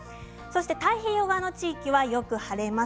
太平洋側の地域はよく晴れます。